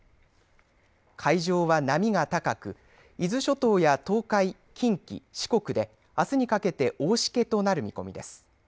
海上は波が高く伊豆諸島や東海、近畿、四国であすにかけて大しけとなる見込みです。